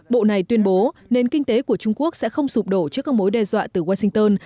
bộ này tuyên bố nền kinh tế của trung quốc sẽ không sụp đổ trước các mối đe dọa từ washington